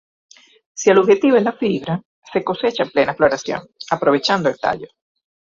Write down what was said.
Si el objetivo es la fibra, se cosecha en plena floración, aprovechando el tallo.